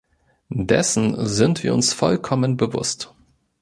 Dessen sind wir uns vollkommen bewusst.